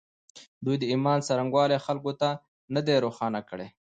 دوی د ایمان څرنګوالی خلکو ته نه دی روښانه کړی